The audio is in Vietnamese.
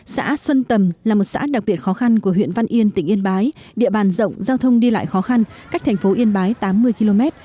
xã xuân tầm là một xã đặc biệt khó khăn của huyện văn yên tỉnh yên bái địa bàn rộng giao thông đi lại khó khăn cách thành phố yên bái tám mươi km